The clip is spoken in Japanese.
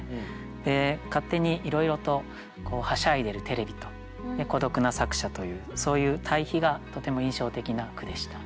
勝手にいろいろとはしゃいでるテレビと孤独な作者というそういう対比がとても印象的な句でした。